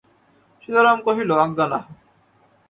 সীতারাম কহিল, আজ্ঞা না।